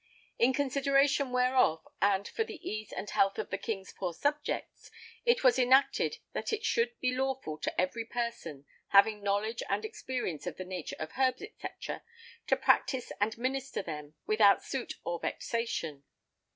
In consideration whereof and for the ease and health of the king's poor subjects, it was enacted that it should be lawful to every person having knowledge and experience of the nature of herbs, etc., to practise and minister them without suit or vexation.